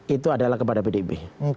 itu adalah kepada pdb